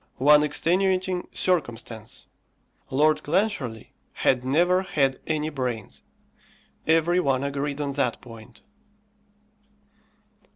One extenuating circumstance: Lord Clancharlie had never had any brains. Every one agreed on that point.